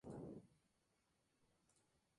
Popularmente en España, era conocida como Pasta Flora.